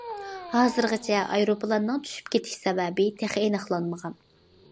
ھازىرغىچە ئايروپىلاننىڭ چۈشۈپ كېتىش سەۋەبى تېخى ئېنىقلانمىغان.